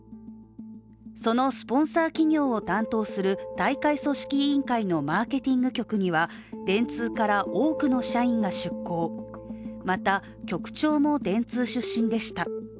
そのスポンサー企業を担当する大会組織委員会のマーケティング局には電通から多くの社員が出向また、局長も電通出身でした。